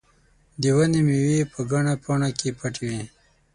د ونې مېوې په ګڼه پاڼه کې پټې وې.